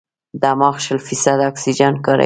دماغ شل فیصده اکسیجن کاروي.